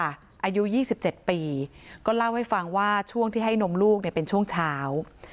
อายุ๒๗ปีก็เล่าให้ฟังว่าช่วงที่ให้นมลูกเนี่ยเป็นช่วงเช้า